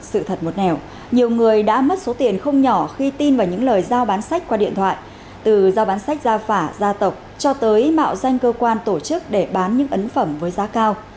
sự thật một nẻo nhiều người đã mất số tiền không nhỏ khi tin vào những lời giao bán sách qua điện thoại từ giao bán sách gia phả gia tộc cho tới mạo danh cơ quan tổ chức để bán những ấn phẩm với giá cao